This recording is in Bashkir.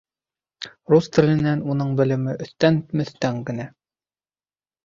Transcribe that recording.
Рус теленән уның белеме өҫтән-мөҫтән генә.